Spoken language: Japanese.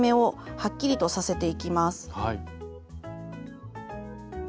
はい。